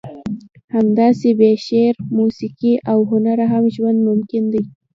همداسې بې شعر، موسیقي او هنره هم ژوند ممکن دی.